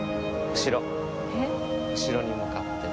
後ろに向かって前進。